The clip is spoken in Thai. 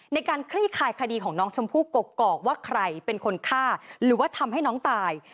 คลี่คลายคดีของน้องชมพู่กกอกว่าใครเป็นคนฆ่าหรือว่าทำให้น้องตาย